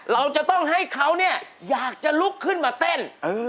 เราจะต้องให้เขาเนี่ยอยากจะลุกขึ้นมาเต้น